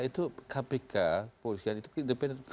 itu kpk polisian itu independen